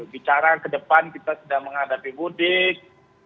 bicara ke depan kita sudah menghadapi budiq